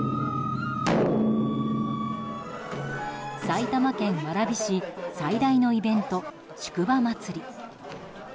埼玉県蕨市最大のイベント、宿場まつり。